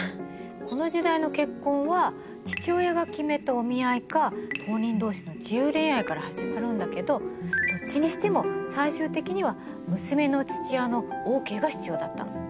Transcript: この時代の結婚は父親が決めたお見合いか当人同士の自由恋愛から始まるんだけどどっちにしても最終的には娘の父親のＯＫが必要だったの。